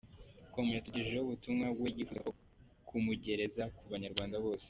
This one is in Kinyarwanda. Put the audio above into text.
com, yatugejejeho ubutumwa we yifuzaga ko kumugereza ku banyarwanda bose.